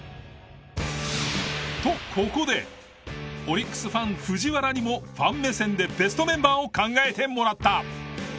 とここでオリックスファン藤原にもファン目線でベストメンバーを考えてもらった。